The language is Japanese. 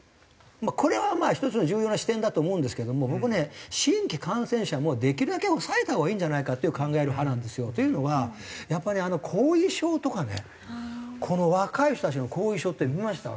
これは一つの重要な視点だと思うんですけども僕ね新規感染者もできるだけ抑えたほうがいいんじゃないかっていう考える派なんですよ。というのがやっぱり後遺症とかね若い人たちの後遺症って見ました？